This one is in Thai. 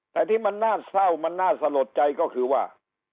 แต่ที่มันน่าเศร้ามันน่าสะลดใจก็คือว่า